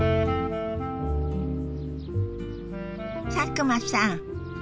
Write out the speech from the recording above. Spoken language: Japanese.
佐久間さん